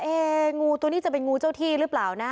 งูตัวนี้จะเป็นงูเจ้าที่หรือเปล่านะ